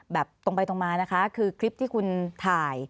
แล้วก็ใช้ความเร็วสูง